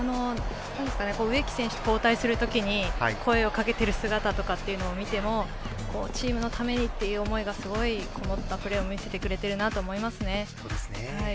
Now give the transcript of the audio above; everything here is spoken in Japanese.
植木選手と交代する時の声をかけている姿を見てもチームのためにという思いがすごいこもったプレーを見せてくれているなと思いますね。